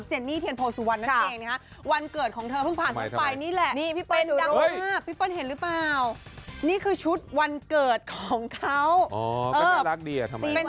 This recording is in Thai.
เป็นธีมวันเกิดเขาเป็นแบบเซ็กซี่สู้ค่าเป็นหลอกฟิลล์แบบ